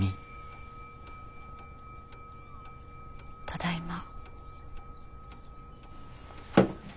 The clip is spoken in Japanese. ただいま。